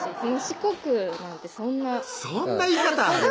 四国なんてそんなそんな言い方ある？